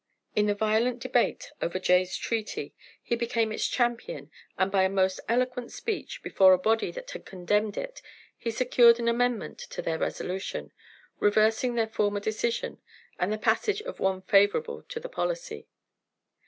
In the violent debate over Jay's treaty he became its champion, and by a most eloquent speech, before a body that had condemned it, he secured an amendment to their resolution, reversing their former decision, and the passage of one favorable to the policy.